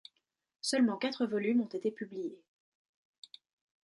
Seulement quatre volumes ont été publiés.